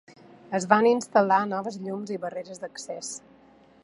Es van instal·lar noves llums i barreres d'accés.